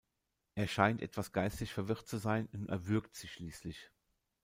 Er scheint etwas geistig verwirrt zu sein und erwürgt sie schließlich.